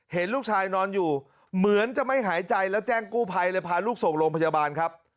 เห็นลูกชายนอนอยู่เหมือนจะไม่หายใจแล้วแจ้งกู้ภัยเลยพาลูกส่งโรงพยาบาลครับ